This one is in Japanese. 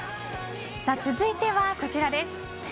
続いてはこちらです。